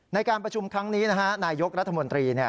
ในการประชุมครั้งนี้นายยกรัฐมนตรี